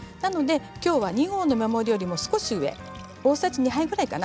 きょうは２合の目盛りよりも少し上、大さじ２杯くらいかな。